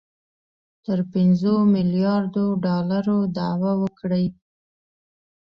تر پنځو میلیاردو ډالرو دعوه وکړي